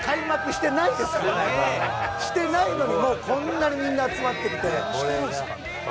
してないのに、こんなにみんな集まっていると。